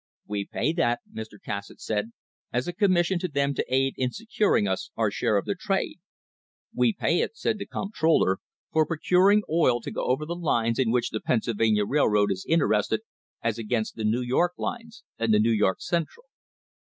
"We pay that," Mr. Cassatt said, "as a commission to them to aid in securing us our share of trade." "We pay it," said the comptroller, "for procuring oil to go over the lines in which the Pennsylvania Railroad Company is inter ested as against the New York lines and the New York Central."